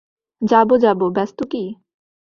যাব যাব, ব্যস্ত কী?